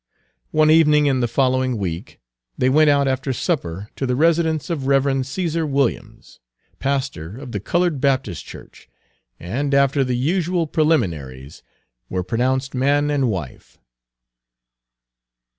One evening in the following week they went out after supper to the residence of Rev. Cæsar Williams, pastor of the colored Baptist church, and, after the usual preliminaries, were pronounced man and wife.